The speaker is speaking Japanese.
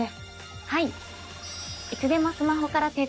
はい！